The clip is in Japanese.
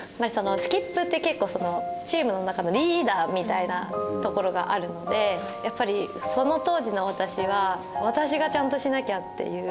スキップって結構チームの中のリーダーみたいなところがあるのでやっぱりその当時の私は私がちゃんとしなきゃっていう。